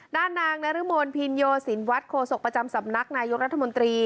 ด้านนางนรมนต์พิญโยศิลปุ่นวัดโครโศกประจำสำนักนายุทรรธมนตรี